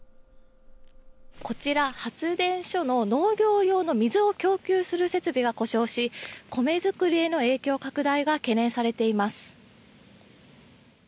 こちら、発電所の農業用の水を供給する設備が故障し米作りへの影響拡大が懸念されています。